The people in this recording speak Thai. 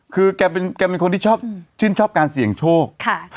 คือแกเป็นคนที่ชอบชื่นชอบการเสี่ยงโชค